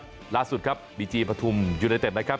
ทีมบ้านครับล่าสุดครับดีจีปฐุมอยู่ในเต็มนะครับ